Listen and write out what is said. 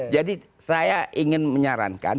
jadi saya ingin menyarankan